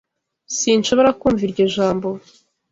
Sinshobora kumva iryo jambo.